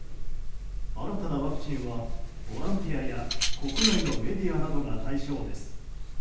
新たなワクチンはボランティアや国内のメディアなどが対象です。